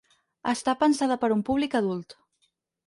Està pensada per a un públic adult.